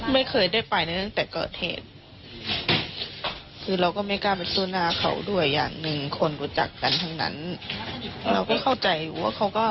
มันก็คงไปรับใช้เวทย์ใช้กรรมข้างในแล้ว